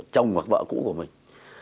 chồng hoặc vợ cũ của mình